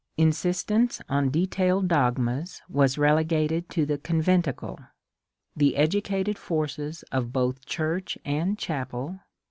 Insist ence on detailed dogmas was relegated to the conventicle : the educated forces of both church and chapel.